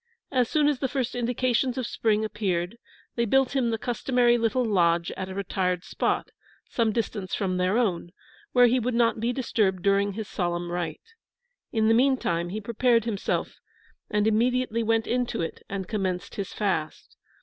As soon as the first indications of spring appeared, they built him the customary little lodge at a retired spot, some distance from their own, where he would not be disturbed during this solemn rite. In the meantime he prepared himself, and immediately went into it, and commenced his fast.